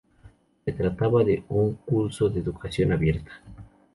Se trataba de un curso de educación abierta.